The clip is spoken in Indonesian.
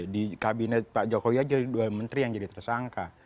di kabinet pak jokowi aja dua menteri yang jadi tersangka